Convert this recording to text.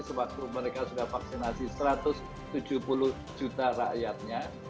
sewaktu mereka sudah vaksinasi satu ratus tujuh puluh juta rakyatnya